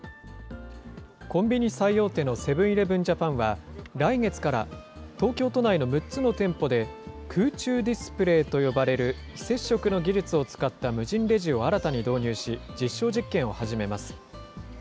コンビニ最大手のセブン−イレブン・ジャパンは、来月から、東京都内の６つの店舗で、空中ディスプレーと呼ばれる非接触の技術を使った無人レジを新たに導入し、実証実験を始めます。